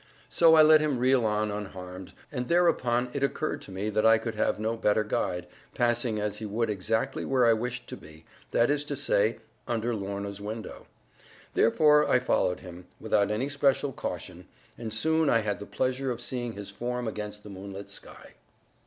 So I let him reel on unharmed; and thereupon it occurred to me that I could have no better guide, passing as he would exactly where I wished to be that is to say, under Lorna's window. Therefore I followed him, without any special caution; and soon I had the pleasure of seeing his form against the moonlit sky.